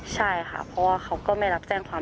ใช่ค่ะเพราะว่าเขาก็ไม่รับแจ้งความ